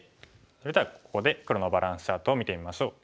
それではここで黒のバランスチャートを見てみましょう。